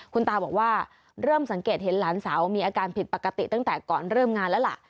คุณตาบอกว่าเริ่มสังเกตเห็นหลานสาวมีอาการผิดปกติตั้งแต่ก่อนเริ่มงานแล้วล่ะ